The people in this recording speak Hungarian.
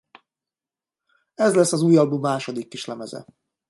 Ez lesz az új album második kislemeze.